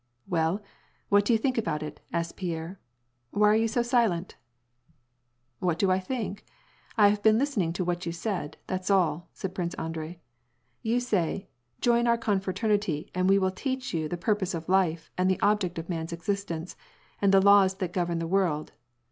" WeD, what do you think about it ?" asked Pierre. "Why are you so silent ?"" What do I think ? I have been listening to what you said, that's all," said Prince Andrei. "You say Moin our confra ternity and we wijil teach you the purpose of life and the ob ject of man's existence, and the laws that goyem the world.'